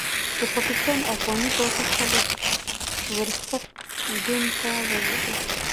د پاکستان افغاني باغي خلک ورسک ډېم ته ولوېدل.